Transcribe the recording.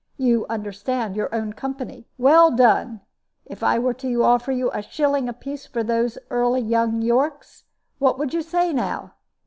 You understand your own company. Well done! If I were to offer you a shilling apiece for those young early Yorks, what would you say, now?"